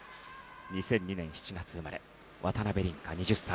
２００２年７月生まれ渡辺倫果、２０歳。